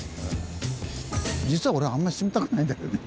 実は俺あんまり住みたくないんだけどね。